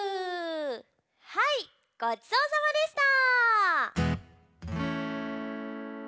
はいごちそうさまでした！